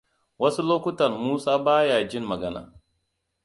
Wasu lokutan Musaa ba ya jin magana.